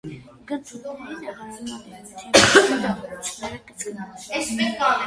Գնթունիների նախարարական տիրույթի մասին տեղեկությունները կցկտուր են։